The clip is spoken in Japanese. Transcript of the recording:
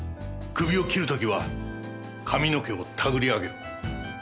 首を切る時は髪の毛を手繰り上げる。